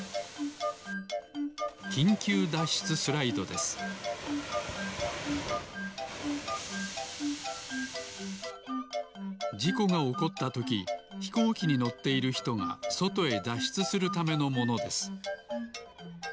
きんきゅうだっしゅつスライドですじこがおこったときひこうきにのっているひとがそとへだっしゅつするためのものです